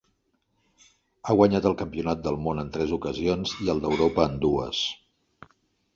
Ha guanyat el campionat del món en tres ocasions i el d'Europa en dues.